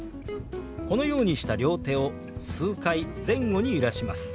このようにした両手を数回前後に揺らします。